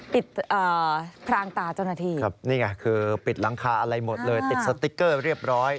พรางตาเจ้าหน้าที่ครับนี่ไงคือปิดหลังคาอะไรหมดเลยติดสติ๊กเกอร์เรียบร้อย